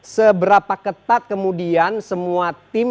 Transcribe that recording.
seberapa ketat kemudian semua tim